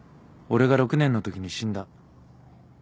俺が６年のときに死んだ。